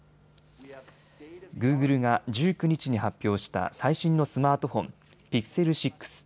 グーグルが１９日に発表した最新のスマートフォン、Ｐｉｘｅｌ６。